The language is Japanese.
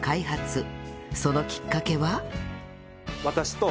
そのきっかけは